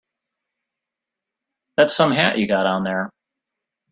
That's some hat you got on there.